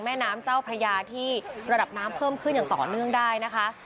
แม่น้ำเจ้าพระยาที่ระดับน้ำเพิ่มขึ้นอย่างต่อเนื่องได้นะคะ